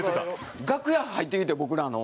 楽屋入ってきて僕らの。